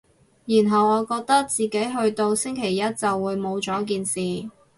然後我覺得自己去到星期一就會冇咗件事